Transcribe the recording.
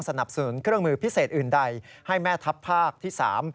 สนับสนุนเครื่องมือพิเศษอื่นใดให้แม่ทัพภาคที่สาม